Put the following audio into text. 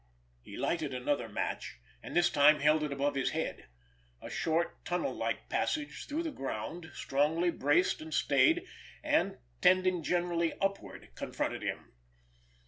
He lighted another match, and this time held it above his head. A short, tunnel like passage through the ground, strongly braced and stayed, and trending gently upward, confronted him.